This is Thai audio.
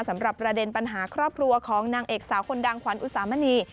สำหรับประเด็นปัญหาครอบครัวของนางเอกสาวคนดังขวัญอุสามณี